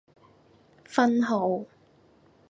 分號